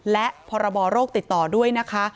และพรบโรคติดต่อด้วยนะคะ